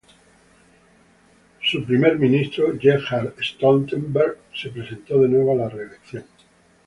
El Primer Ministro Gerhard Stoltenberg se presentó de nuevo a la reelección.